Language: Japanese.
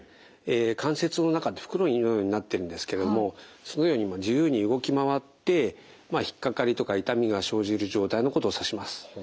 関節の中って袋のようになってるんですけどもそのように自由に動き回って引っ掛かりとか痛みが生じる状態のことを指します。